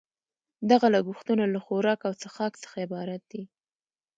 دغه لګښتونه له خوراک او څښاک څخه عبارت دي